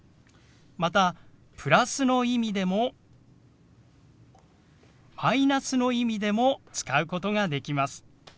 またプラスの意味でもマイナスの意味でも使うことができます。